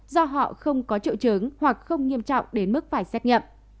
do họ không có triệu chứng hoặc không nghiêm trọng đến mức phải xét nghiệm